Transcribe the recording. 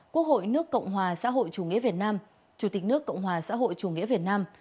quốc hội nước cộng hòa xã hội chủ nghĩa việt nam chủ tịch nước cộng hòa xã hội chủ nghĩa việt nam